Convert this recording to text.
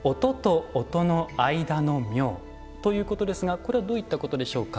ということですがこれはどういったことでしょうか？